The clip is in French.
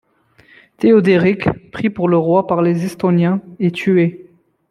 Theoderik, pris pour le roi par les Estoniens, est tué.